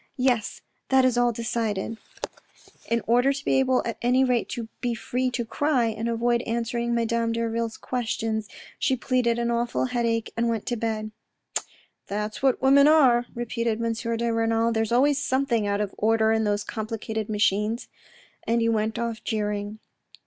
" Yes, that is all decided." In order to be able at any rate to be free to cry, and to avoid answering madame Derville's questions, she pleaded an awful headache, and went to bed. " That's what women are," repeated M. de Renal, " there is always something out of order in those complicated machines," and he went off jeering.